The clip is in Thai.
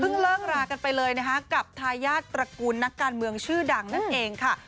เลิกรากันไปเลยนะคะกับทายาทตระกูลนักการเมืองชื่อดังนั่นเองค่ะ